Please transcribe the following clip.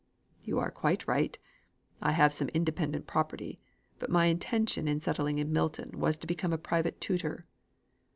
"You are quite right. I have some independent property, but my intention in settling in Milton was to become a private tutor."